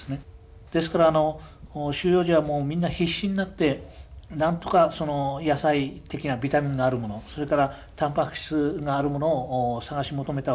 ですからあの収容所はもうみんな必死になってなんとかその野菜的なビタミンのあるものそれからたんぱく質があるものを探し求めたわけです。